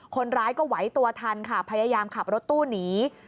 คนร้ายก็ไหวตัวทันค่ะพยายามขับรถตู้หนี